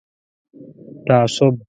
تعصب